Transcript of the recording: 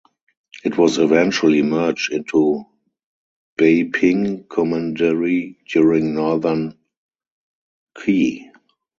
It was eventually merged into Beiping Commandery during Northern Qi.